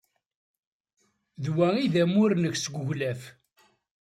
D wa ay d amur-nnek seg uglaf.